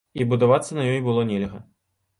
І будавацца на ёй было нельга.